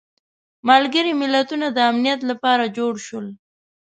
ملګري ملتونه د امنیت لپاره جوړ شول.